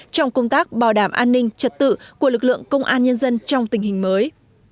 trong công tác bảo đảm an ninh trật tự của lực lượng công an nhân dân trong tình hình mới